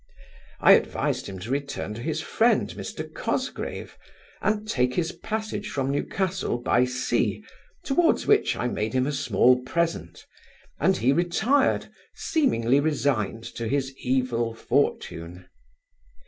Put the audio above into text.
I advised him to return to his friend, Mr Cosgrave, and take his passage from Newcastle by sea, towards which I made him a small present, and he retired, seemingly resigned to his evil fortune.